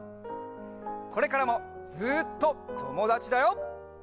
これからもずっとともだちだよ！